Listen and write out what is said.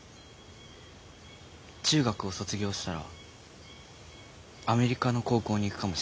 中学を卒業したらアメリカの高校に行くかもしれない。